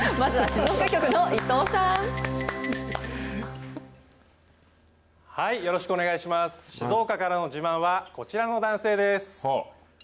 静岡からの自慢は、こちらの男性です。